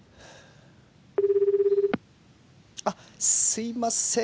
あっすいません